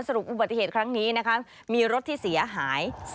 อุบัติเหตุครั้งนี้นะคะมีรถที่เสียหาย